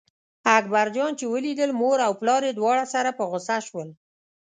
اکبر جان چې ولیدل مور او پلار یې دواړه سره په غوسه شول.